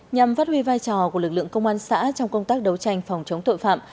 nhằm phát huy vai trò của lực lượng công an xã trong công tác đấu tranh phòng chống tội phạm